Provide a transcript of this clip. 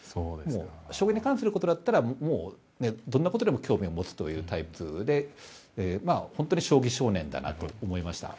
将棋に関することだったらもう、どんなことでも興味を持つタイプで本当に将棋少年だなと思いました。